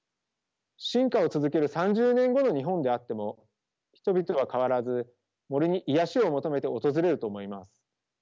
進化を続ける３０年後の日本であっても人々は変わらず森に癒やしを求めて訪れると思います。